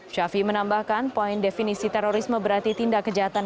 syafie menambahkan poin definisi terorisme berarti tindak kejahatan